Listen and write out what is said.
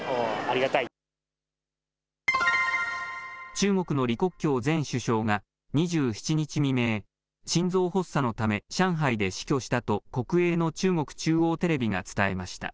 中国の李克強前首相が２７日未明、心臓発作のため上海で死去したと国営の中国中央テレビが伝えました。